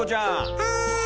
はい！